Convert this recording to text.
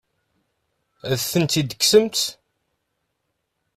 Ad ten-id-tekksemt?